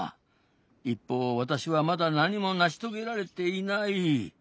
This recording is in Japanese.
一方私はまだ何も成し遂げられていない。